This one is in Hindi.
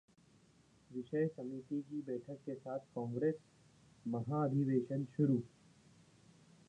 विषय समिति की बैठक के साथ कांग्रेस महाधिवेशन शुरू